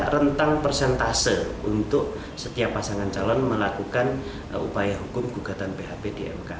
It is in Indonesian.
rentang persentase untuk setiap pasangan calon melakukan upaya hukum gugatan php di mk